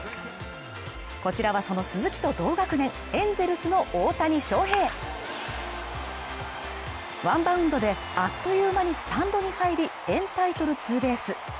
こちらはその鈴木と同学年エンゼルスの大谷翔平ワンバウンドであっという間にスタンドに入りエンタイトルツーベース